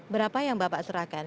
berapa yang bapak serahkan